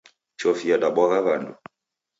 Chofi yadabwagha w'andu.